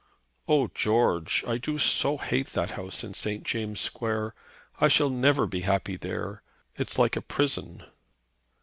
"Oh! George, I do so hate that house in St. James' Square. I shall never be happy there. It's like a prison."